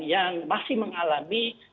yang masih mengalami